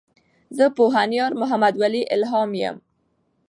زۀ پوهنيار محمدولي الهام يم.